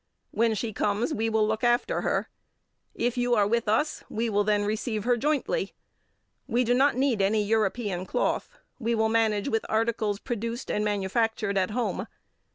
When she comes we will look after her. If you are with us, we will then receive her jointly. We do not need any European cloth. We will manage with articles produced and manufactured at home.